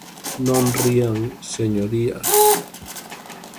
Non rían, señorías.